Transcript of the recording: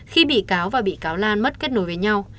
khi bị cáo và bị cáo lan mất kết nối với nhau